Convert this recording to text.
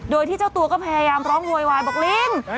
โดยที่เจ้าตัวก็พยายามร้องโวยวายบอกลิง